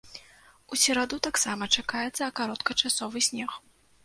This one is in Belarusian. У сераду таксама чакаецца кароткачасовы снег.